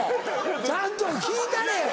ちゃんと聞いたれ！